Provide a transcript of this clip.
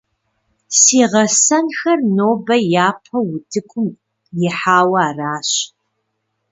Си гъэсэнхэр нобэ япэу утыкум ихьауэ аращ.